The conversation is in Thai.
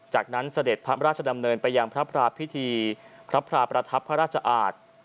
จากนั้นเสด็จพระราชดำเนินไปยังพระพิธีพระพราประทับพระราชอาจ